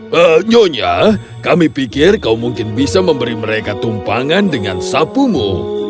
pak nyonya kami pikir kau mungkin bisa memberi mereka tumpangan dengan sapumu